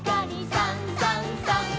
「さんさんさん」